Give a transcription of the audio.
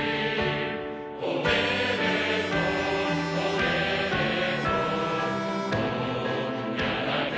「おめでとう」「おめでとう」「今夜だけ」